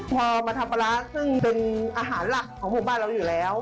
พอมาทำปลาร้าซึ่งจึงอาหารหลักของบ้านอยู่แล้ว